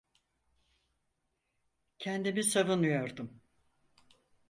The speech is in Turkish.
Kendimi savunuyordum.